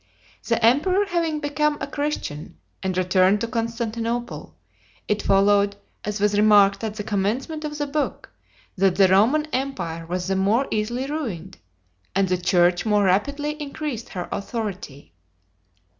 The emperor having become a Christian and returned to Constantinople, it followed, as was remarked at the commencement of the book, that the Roman empire was the more easily ruined, and the church more rapidly increased her authority.